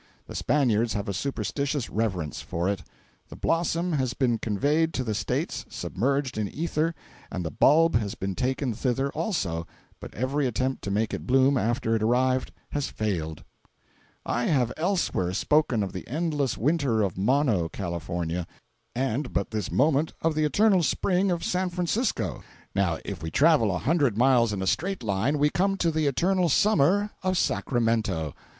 The Spaniards have a superstitious reverence for it. The blossom has been conveyed to the States, submerged in ether; and the bulb has been taken thither also, but every attempt to make it bloom after it arrived, has failed. I have elsewhere spoken of the endless Winter of Mono, California, and but this moment of the eternal Spring of San Francisco. Now if we travel a hundred miles in a straight line, we come to the eternal Summer of Sacramento.